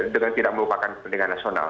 dengan tidak melupakan kepentingan nasional